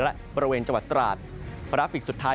และบริเวณจังหวัดตราดกราฟิกสุดท้าย